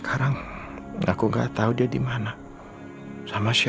kau gak pake merek rt